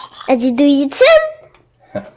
Ad d-yeddu yid-sen?